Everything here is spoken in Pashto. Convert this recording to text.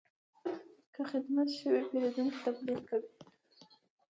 که خدمت ښه وي، پیرودونکی تبلیغ کوي.